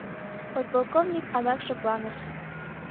Подполковник адак шыпланыш.